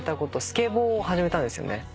スケボーを始めたんですよね。